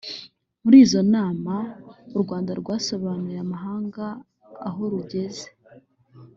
muri izo nama u rwanda rwasobanuriye amahanga aho rugeze.